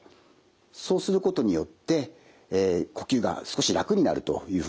そうすることによって呼吸が少し楽になるというふうなことになります。